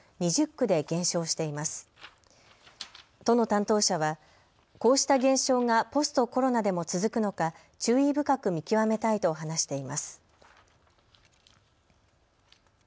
都の担当者はこうした減少がポストコロナでも続くのか注意深く見極めたいと話しています。